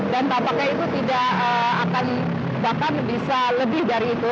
dan tampaknya itu tidak akan bahkan bisa lebih dari itu